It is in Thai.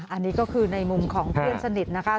อันนี้ก็คือในมุมของเพื่อนสนิทนะคะ